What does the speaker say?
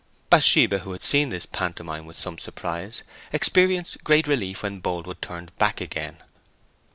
Bathsheba, who had seen this pantomime with some surprise, experienced great relief when Boldwood turned back again.